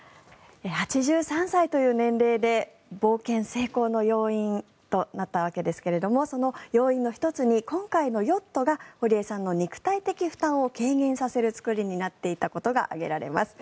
８３歳という年齢で冒険成功となったわけですがその要因の１つに今回のヨットが堀江さんの肉体的負担を軽減させる作りになっていたことが挙げられます。